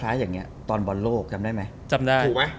อ่าวอินเตอร์ฟรีราน